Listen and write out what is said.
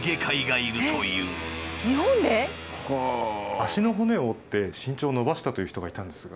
脚の骨を折って身長を伸ばしたという人がいたんですが。